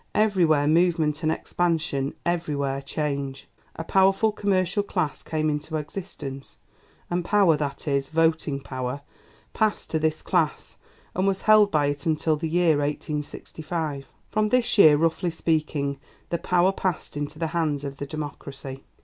Everywhere movement and expansion; everywhere change. A powerful commercial class came into existence, and power that is, voting power passed to this class and was held by it until the year 1865. From this year, roughly speaking, the power passed into the hands of the democracy.